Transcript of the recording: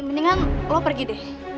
mendingan lo pergi deh